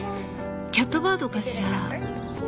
キャットバードかしら？